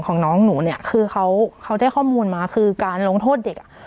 ของน้องหนูเนี่ยคือเขาเขาได้ข้อมูลมาคือการลงโทษเด็กอ่ะ